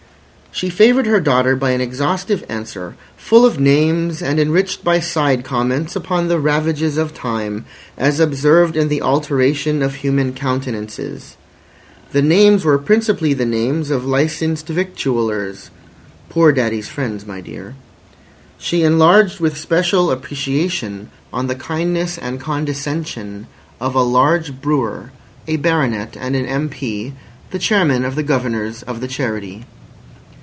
She favoured her daughter by an exhaustive answer, full of names and enriched by side comments upon the ravages of time as observed in the alteration of human countenances. The names were principally the names of licensed victuallers—"poor daddy's friends, my dear." She enlarged with special appreciation on the kindness and condescension of a large brewer, a Baronet and an M. P., the Chairman of the Governors of the Charity.